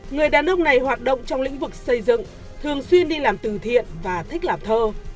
người đàn ông này hoạt động trong lĩnh vực xây dựng thường xuyên đi làm từ thiện và thích làm thơ